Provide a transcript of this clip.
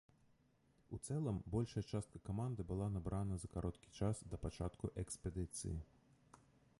У цэлым, большая частка каманды была набрана за кароткі час да пачатку экспедыцыі.